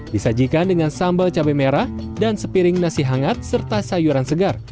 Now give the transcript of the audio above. disajikan dengan sambal cabai merah dan sepiring nasi hangat serta sayuran segar